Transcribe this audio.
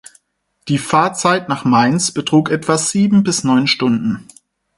Die Fahrzeit nach Mainz betrug etwa sieben bis neun Stunden.